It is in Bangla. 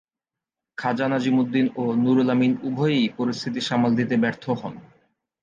খাজা নাজিমুদ্দিন ও নুরুল আমিন উভয়েই পরিস্থিতি সামাল দিতে ব্যর্থ হন।